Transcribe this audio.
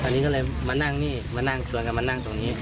ตอนนี้ก็เลยมานั่งนี่มานั่งชวนกันมานั่งตรงนี้